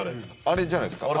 あれじゃないですか。